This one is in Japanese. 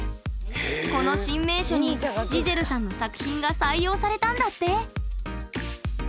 この新名所にジゼルさんの作品が採用されたんだって！